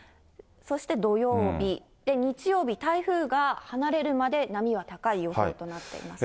そして土曜日、日曜日、台風が離れるまで波は高い予想となっています。